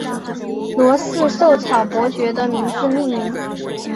罗氏绶草伯爵的名字命名。